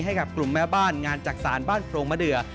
ให้กับกลุ่มแม่บ้านงานจักษานบ้านโพรงมะเดือ